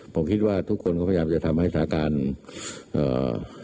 ผมคิดว่าทุกคนก็พยายามจะทำให้สถานการณ์เอ่อ